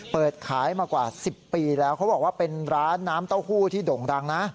เปิดขายมากว่า๑๐ปีแล้วเขาบอกว่าเป็นร้านน้ำเต้าหู้ที่โด่งดังนะ